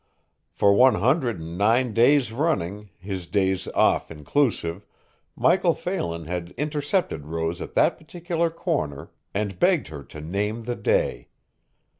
For one hundred and nine days' running, his days off inclusive, Michael Phelan had intercepted Rose at that particular corner and begged her to name the day.